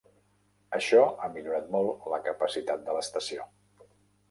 Això ha millorat molt la capacitat de l'estació.